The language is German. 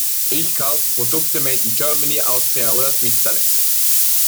Ich kaufe Produkte made in Germany, Austria oder Switzerland.